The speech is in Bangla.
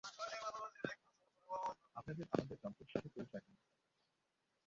আপনাদের আমান্ডা ডনফ্রের সাথে পরিচয় হয়নি!